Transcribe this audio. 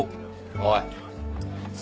おい。